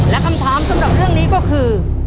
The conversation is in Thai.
และคำถามสำหรับเรื่องนี้ก็คือ